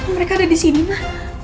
mereka ada di sini mah